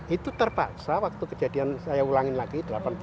itu terpaksa waktu kejadian saya ulangi lagi seribu sembilan ratus delapan puluh sembilan